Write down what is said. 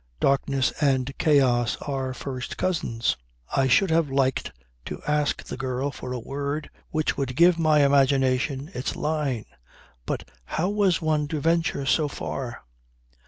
Darkness and chaos are first cousins. I should have liked to ask the girl for a word which would give my imagination its line. But how was one to venture so far?